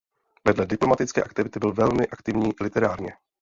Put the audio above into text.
Vedle diplomatické aktivity byl velmi aktivní literárně.